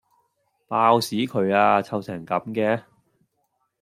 爆屎渠呀！臭成咁嘅